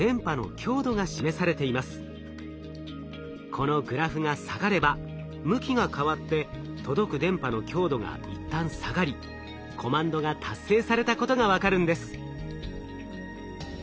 このグラフが下がれば向きが変わって届く電波の強度が一旦下がりコマンドが達成されたことが分かるんです。